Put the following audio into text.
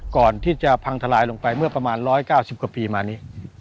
ก่อนที่จะพังทลายลงไปเมื่อประมาณ๑๙๐กว่าปีมานี้